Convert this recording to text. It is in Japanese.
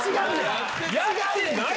やってない！